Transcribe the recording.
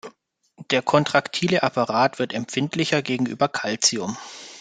Der kontraktile Apparat wird empfindlicher gegenüber Calcium.